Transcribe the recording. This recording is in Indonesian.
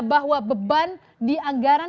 bahwa beban di anggaran